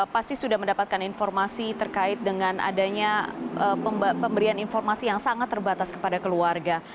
pasti sudah mendapatkan informasi terkait dengan adanya pemberian informasi yang sangat terbatas kepada keluarga